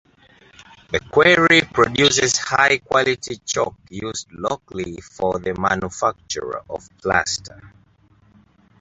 The quarry produces high quality chalk used locally for the manufacture of plaster.